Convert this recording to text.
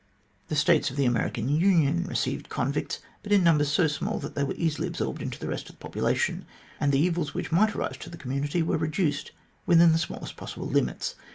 The States of the American Union received convicts, but in numbers so small that they were easily absorbed in the rest of the population, and the evils which might arise to the community were re duced within the smallest possible limits.